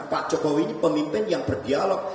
pak jokowi ini pemimpin yang berdialog